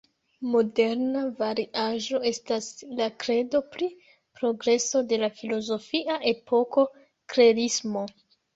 Moderna variaĵo estas la kredo pri progreso de la filozofia epoko klerismo.